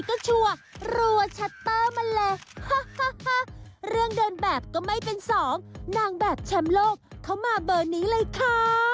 เข้ามาเบอร์นี้เลยค่ะ